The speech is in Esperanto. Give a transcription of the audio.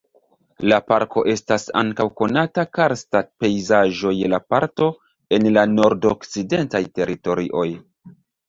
La parko estas ankaŭ konata karsta pejzaĝo je la parto en la Nordokcidentaj Teritorioj.